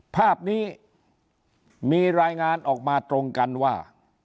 ภาพนี้มีรายงานออกมาตรงกันว่า